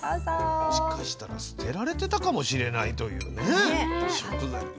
もしかしたら捨てられてたかもしれないという食材。